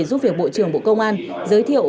giúp việc bộ trưởng bộ công an giới thiệu